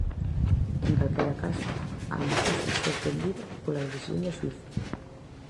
En calquera caso, amosouse "sorprendida" pola decisión da xuíza.